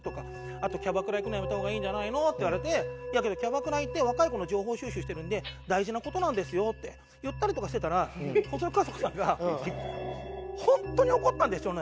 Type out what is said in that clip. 「あとキャバクラ行くのやめた方がいいんじゃないの？」って言われて「キャバクラ行って若い子の情報収集してるんで大事な事なんですよ」って言ったりとかしてたら細木数子さんが本当に怒ったんでしょうね。